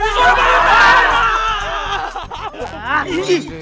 itu suara balut